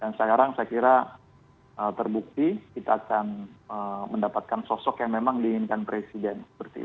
dan sekarang saya kira terbukti kita akan mendapatkan sosok yang memang diinginkan presiden